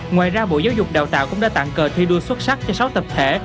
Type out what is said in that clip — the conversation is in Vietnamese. ngoài ra bộ giáo dục đào tạo cũng đã tặng cờ thi đua xuất sắc cho sáu tập thể